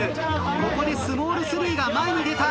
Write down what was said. ここでスモール３が前に出た。